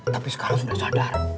tapi sekarang sudah sadar